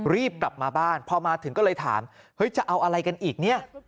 รีบกลับมาบ้านพอมาถึงก็เลยถามเฮ้ยจะเอาอะไรกันอีกเนี่ย